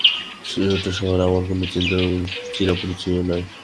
ছোট শহর, আমার কোনো চিনা-পরিচয়ও নাই।